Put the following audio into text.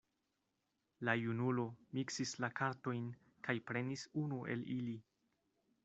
La junulo miksis la kartojn kaj prenis unu el ili.